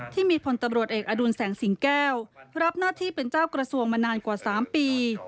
ที่มีพลตำรวจเอกอดุลแสงสิงแก้วรับหน้าที่เป็นเจ้ากระทรวงมานานกว่า๓ปี